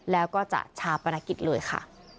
แล้วก็จะชาปนกิจเลยค่ะ